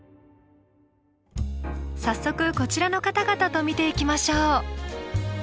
早速こちらの方々と見ていきましょう。